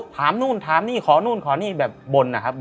ถามนู่นถามนี่ขอนู่นขอนี่แบบบนนะครับ